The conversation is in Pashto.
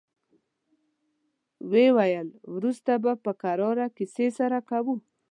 ويې ويل: وروسته به په کراره کيسې سره کوو.